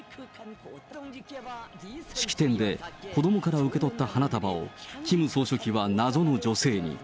式典で、子どもから受け取った花束を、キム総書記は謎の女性に。